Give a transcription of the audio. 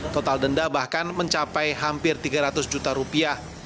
total denda bahkan mencapai hampir tiga ratus juta rupiah